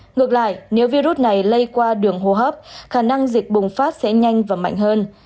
ngược lại nếu virus này lây qua đường hô hấp khả năng dịch bùng phát sẽ nhanh và mạnh hơn